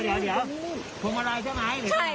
เดี๋ยวพวงมะไลใช่มั้ย